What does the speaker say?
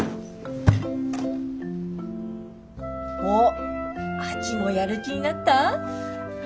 おっ亜紀もやる気になった？